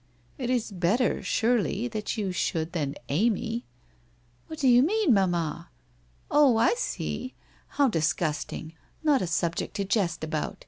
' It is better surely that you should than Amy !'' What do you mean, mamma ? Oh, I see. How disgust ing! Not a subject to jest about.